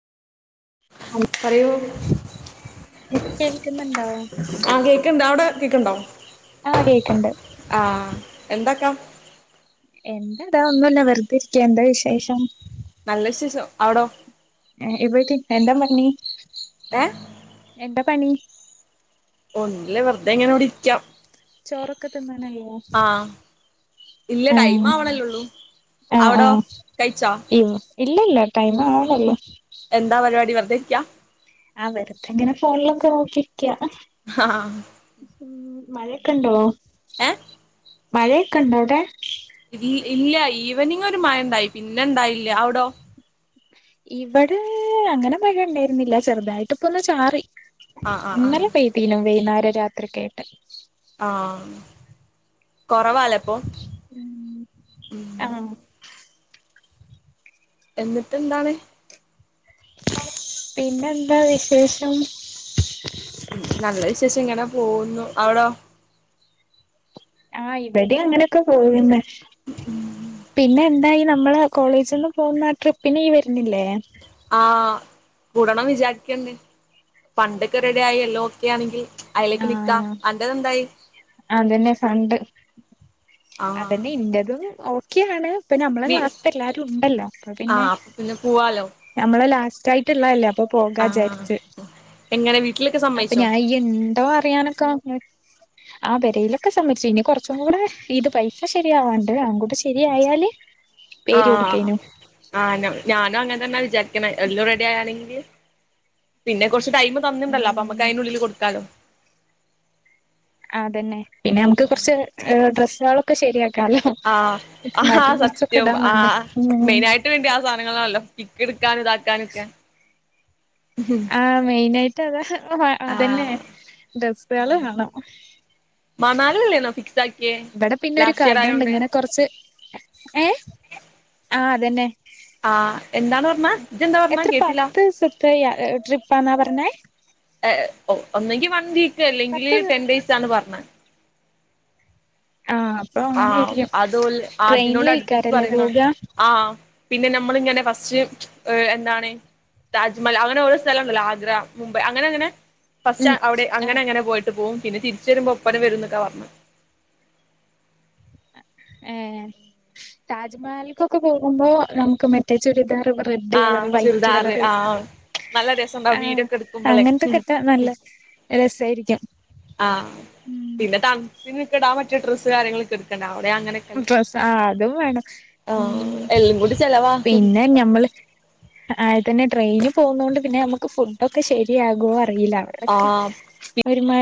പറയൂ ഇപ്പേൾക്കുന്നുണ്ടോ ആഹ് കേക്കിണ്ട് അവിടെ കേക്ക്ണ്ടോ ആഹ് കേക്ക്ണ്ട് ആഹ് എന്തൊക്ക എന്താ താ ഒന്നൂല്ല വെറുതെരിക്ക എന്താ വിശേഷം നല്ല വിശേഷം അവിടൊ ആഹ് ഇവിടിം എന്താ പണി ഏഹ് എന്താ പണി ഒന്നൂല്ല വെറുതെ ഇങ്ങനിവിടിരിക്ക ചോറൊക്കെ തിന്നാനായോ ആഹ് ഇല്ല ടൈം ആഹ് ആവണല്ലൊള്ളൂ അവിടോ കഴ്ച്ചോ ഇല്ലില്ല ടൈം ആവണുള്ളു എന്താ പരിപാടി വെർതിരിക്കാ ആഹ് വെർതിങ്ങനെ ഫോണിലൊക്കെ നോക്കിരിക്ക ആഹ് ഊഹ് മഴയൊക്കിണ്ടോ ഏഹ് മഴയൊക്കെ ഉണ്ടോ അവിടെ ഇ ഇല്ല ഈവനിംങ് ഒരു മഴ ഉണ്ടായി പിന്നെണ്ടായില്ല അവിടോ ഇവിടെ അങ്ങനെ മഴ ഉണ്ടായിരുന്നില്ല ചെറുതായിട്ട് ഇപ്പ ഒന്ന് ചാറി ആ ആ ആ ഇന്നലെ പെയതീനും വൈകുന്നേരം രാത്രിയൊക്കെയായിട്ട് ആഹ് കൊറവാലേ അപ്പൊ ഉം ഉം ആഹ് എന്നിട്ട് എന്താണ് പിന്നെന്താ വിശേഷം നല്ല വിശേഷം ഇങ്ങനെ പോവുന്നു അവിടോ ആഹ് ഇവടെയും അങ്ങനെയൊക്കെ പോവുന്ന പിന്നെ എന്തായി നമ്മള് കോളേജിൽ നിന്ന് പോകുന്ന ആ ട്രിപ്പിന് ഈ വരുന്നില്ലേ ആഹ് കൂടണം വിചാരിക്കുന്നുണ്ട് ഫണ്ടൊക്കെ റെഡിയായി എല്ലാം ഒക്കെ ആണെങ്കിൽ അതിലേക്ക് നിക്കാം ആഹ് അന്റെതെന്തായി അതെന്നെ ഫണ്ട് ആഹ് അതന്നെ ഇന്റതും ഓ- -ക്കിയാണ് ഇപ്പ നമ്മളെ വീ ക്ലാസ്സിൽത്തെ എല്ലാരും ഉണ്ടല്ലോ അപ്പ പിന്നെ ആഹ് അപ്പൊ പിന്നെ പോവാലോ നമ്മള ലാസ്റ്റായി- -ള്ളല്ലേ അപ്പൊ പോകാ വിചാരിച്ച് എങ്ങന വീട്ടിലൊക്കെ അപ്പൊ സമ്മയിച്ചോ ഞാൻ ഇയ്യ് ണ്ടോ അറിയാനൊക്കെ ആഹ് പൊരയിലൊക്കെ സംമ്മതിച്ചു ഇനി കൊറച്ചും കൂടെ ഇത് പൈസ ശരിയാവാനുണ്ട് അൻകൂടെ ശരിയയാല് ആഹ് ആഹ് ആഹ് ഞാനും അങ്ങനെ തന്നെയാ വിചാരിക്കെണ എല്ലാം റെഡി ആയാവാണെങ്കിൽ പിന്നെ കുറച്ച് ടൈം തന്നിണ്ടല്ലോ അപ്പ നമുക്ക് ഉം അയന്റ്ള്ളില് കൊടുക്കാലോ ആഹ് അതന്നെ പിന്നെ നമുക്ക് കുറച്ച് ഡ്രസ്സുകളും ഒക്കെ ശരിയാക്കാലോ ആഹ് ആഹാ മാറ്റിമറിച്ചൊക്കെ സത്യം ഇടാൻ വേണ്ടേ ഉം -ങളാണല്ലോ പിക്ക് എടുക്കാനും ഇതാക്കാനൊക്കെ ആഹ് മെയിൻ ആയിട്ട് അത് ഹ അതന്നെ ആഹ് ഡ്രസ്സ്‌സുകള് വേണം മണാലിയല്ലേന്നോ ഫിക്സ് ആക്കിയേ ഇവിടെ പിന്നെ ഒരു ലാസ്റ്റ് ഇയർ കട ഉണ്ട് ആയോണ്ട് ഇങ്ങനെ കൊറച്ച് ഏഹ് ആഹ് അതെന്നെ ആഹ് എന്താന്ന് പറഞ്ഞാ ഇജ്ജെന്താ പറഞ്ഞാ കേട്ടില്ലാ ഇപ്പ യ ഏഹ് ട്രിപ്പാന്നാ പറഞ്ഞഹ് ഏഹ് ഒന്നെങ്കിൽ വൺ വീക്ക് അല്ലെങ്കില് പത്ത് ടെൻ ഡേയ്സ് ആണ് പറഞേ ആഹ് അപ്പൊ ആഹ് അങ്ങനെയായിരിക്കും അതോല് അതിനോട് അടുപ്പിച്ച് ട്രെയിനിലേക്കാരല്ലേ പറയുന്നാ പോക ആഹ് പിന്നെ നമ്മളിങ്ങനെ ഫസ്റ്റ് എഹ് എന്താണ് താജ്മഹൽ അങ്ങനെ ഓരോ സ്ഥലംണ്ടല്ലോ ആഗ്ര മുംബൈ അങ്ങനെ അങ്ങനെ ഫസ്റ്റ് ഉം അവിടെ അങ്ങനെ ആഹ് അങനെ പോയിട്ട് പോവും പിന്നെ തിരിച്ചു വരുമ്പോ ഒപ്പരം വരും എന്നൊക്കെ പറഞ്ഞെ ഏഹ് താജ്മഹലിൽക്കൊക്കെ പോകുമ്പോ നമുക്ക് മെ റ്റെ ചുരിദാറ് റെഡ് ആഹ് കളറ് വൈറ്റ് ചുരിദാറ് കളറ് ആഹ് നല്ല രസംണ്ടാവും ആഹ് വീഡിയോക്കെ എടുക്കുമ്പോളേ അങ്ങൻത്തൊക്കെ ഇട്ടാ നല്ല രസായിരിക്കം ആഹ് പിന്നെ തണുപ്പിനൊക്കെ ഇടാൻ പറ്റിയ ഡ്രസ്സ് കാര്യങ്ങളൊക്കെ എടുക്കണ്ട അവിടെ അങ്ങനെ ഡ്റസ്സ് ആഹ് അതും വേണം ഉം ആഹ് എല്ലും കൂടി ചെലവാ പിന്നെ ഞമ്മള് ആഹ് അത് തന്നെ ട്രെയിനി പോഉന്നോണ്ട് പിന്നെ നമുക്ക് ഫുഡൊക്കെ ശരിയാകോ അറില്ല വ്ടെക്കെ ആഹ് ഒരു മാ